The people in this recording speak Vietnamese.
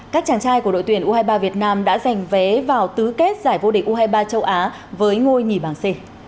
các chàng trai của đội tuyển u hai mươi ba việt nam đã giành vé vào tứ kết giải vô địch u hai mươi ba châu á với ngôi nhì bảng c